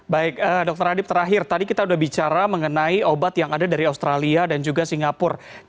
baik dr adib terakhir tadi kita sudah bicara mengenai obat yang ada dari australia dan juga singapura